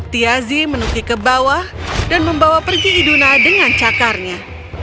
tiazi menuki ke bawah dan membawa pergi iduna dengan cakarnya